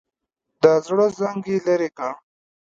د زړه زنګ یې لرې کړ.